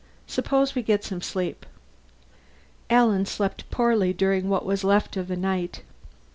Suppose we get some sleep." Alan slept poorly during what was left of the night.